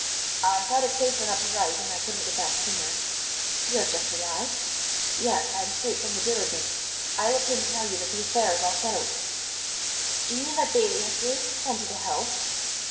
"I thought it safer not to write, and I couldn't get back sooner." "You have just arrived?" "Yes; I am straight from the diligence; I looked in to tell you that the affair is all settled." "Do you mean that Bailey has really consented to help?"